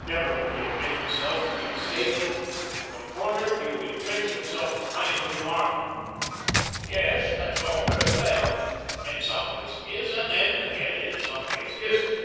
Never would he admit himself to be mistaken; when cornered, he would intrench himself behind the remark, "Yes, that's all very well. In some ways, it is, and then, again, in some ways, it ISN'T."